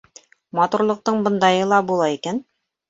Матурлыҡтың бындайы ла була икән!